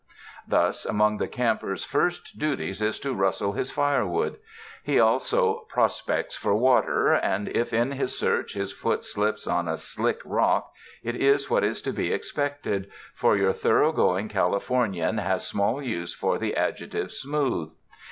Thus among the camper's first duties, is to rustle his fire wood. He also "prospects" for water and if in his search his foot slips on a "slick" rock, it is what is to be expected, for your thorough going Californian has small use for the adjective "smooth."